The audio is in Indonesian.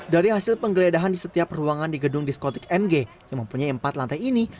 dari hasil penggeledahan di setiap ruangan di gedung diskotik mg yang mempunyai empat lantai ini